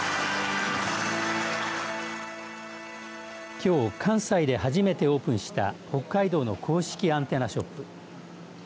きょう関西で初めてオープンした北海道の公式アンテナショップ。